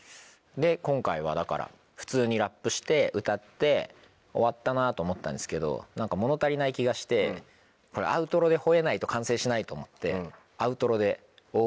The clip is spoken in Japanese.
今回はだから普通にラップして歌って終わったなと思ったんですけど何か物足りない気がしてアウトロで吠えないと完成しないと思って。